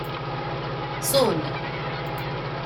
Ṣun.